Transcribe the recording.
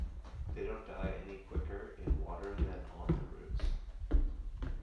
They don’t die any quicker in water than on their roots.